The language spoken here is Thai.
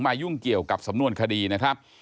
ยุ่งเกี่ยวกับสำนวนคดีนะครับ